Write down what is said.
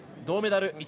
銅メダル